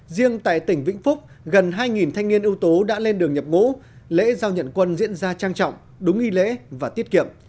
riêng tại tỉnh vĩnh phúc gần hai thanh niên ưu tú đã lên đường nhập ngũ lễ giao nhận quân diễn ra trang trọng đúng nghi lễ và tiết kiệm